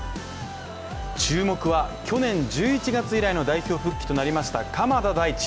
注目は去年１１月以来の代表復帰となりました鎌田大地